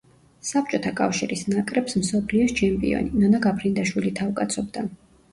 საბჭოთა კავშირის ნაკრებს მსოფლიოს ჩემპიონი, ნონა გაფრინდაშვილი თავკაცობდა.